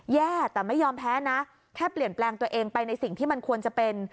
แย่แต่ไม่ยอมแพ้นะแค่เปลี่ยนแปลงตัวเองไปในสิ่งที่มันควรจะเป็น